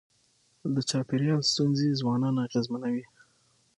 د چاپېریال ستونزي ځوانان اغېزمنوي.